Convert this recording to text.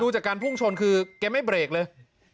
จากการพุ่งชนคือแกไม่เบรกเลย